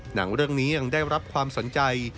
หนังเรื่องนี้ยังได้รับความสนใจ